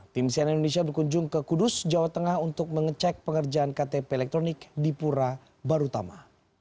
tim sian indonesia berkunjung ke kudus jawa tengah untuk mengecek pengerjaan ktp elektronik di pura barutama